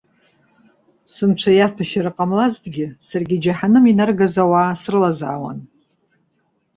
Сынцәа иаҭәашьара ҟамлазҭгьы, саргьы џьаҳаным инаргаз ауаа срылазаауан.